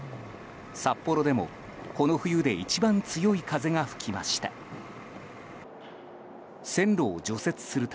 札幌でも、この冬で一番強い風が吹きました。